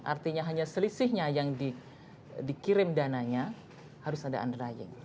artinya hanya selisihnya yang dikirim dananya harus ada unrying